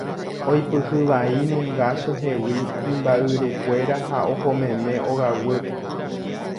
Oipyhy vai nunga chehegui imba'yrukuéra ha ohomeme ogaguýpe.